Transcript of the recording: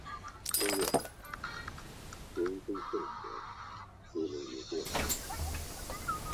中非共和国国民议会是中非共和国的国家立法机关。